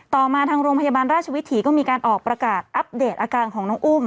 ต่อมาทางโรงพยาบาลราชวิถีก็มีการออกประกาศอัปเดตอาการของน้องอุ้ม